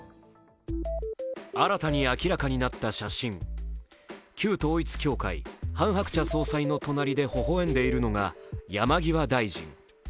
新たに明らかになった写真、旧統一教会、ハン・ハクチャ総裁の隣でほほ笑んでいるのが山際大臣。